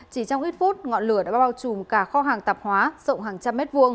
chỉ trong ít phút ngọn lửa đã bao trùm cả kho hàng tạp hóa rộng hàng trăm mét vuông